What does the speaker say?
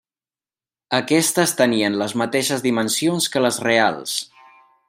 Aquestes tenien les mateixes dimensions que les reals.